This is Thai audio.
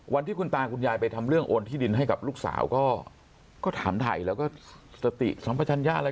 วันที่คุณตาคุณยายไปทำเรื่องโอนที่ดินให้กับลูกสาวก็ถามถ่ายแล้วก็สติสัมพชัญญาอะไร